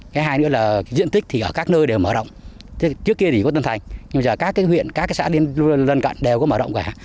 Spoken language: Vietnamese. cái hai nữa là diện tích thì ở các nơi đều mở rộng trước kia thì có tân thành nhưng giờ các cái huyện các cái xã lân cận đều có mở rộng cả